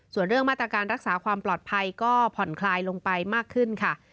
ส่วนเรื่องมาตรการรักษาความปลอดภัยก็ผ่อนคลายลงไปมากขึ้นค่ะ